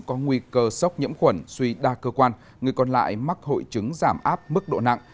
có nguy cơ sốc nhiễm khuẩn suy đa cơ quan người còn lại mắc hội chứng giảm áp mức độ nặng